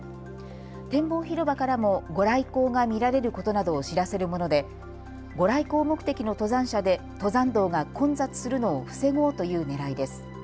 展望広場からも御来光が見られることなどを知らせるもので御来光目的の登山者で登山道が混雑するのを防ごうというねらいです。